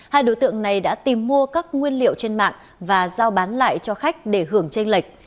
hai đối tượng này đã tìm mua các nguyên liệu trên mạng và giao bán lại cho khách để hưởng tranh lệch